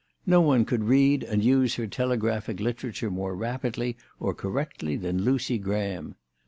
No one could read and use her telegraphic literature more rapidly or correctly than Lucy Graham.